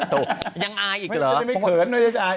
ตกยังอายหรอ